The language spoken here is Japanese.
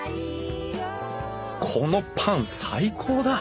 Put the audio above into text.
このパン最高だ！